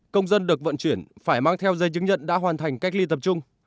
công dân được vận chuyển phải mang theo dây chứng nhận đã hoàn thành cách ly tập trung